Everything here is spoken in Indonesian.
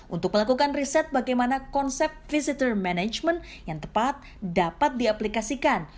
untuk melakukan riset bagaimana konsep visitor management yang tepat dapat diaplikasikan